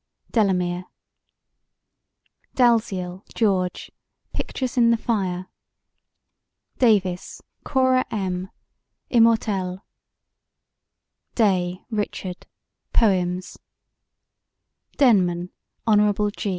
Delamere DALZIEL, GEORGE: Pictures in the Fire DAVIS, CORA M.: Immortelles DAY, RICHARD: Poems DENMAN, HON.